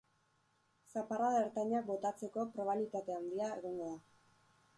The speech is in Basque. Zaparrada ertainak botatzeko probabilitate handia egongo da.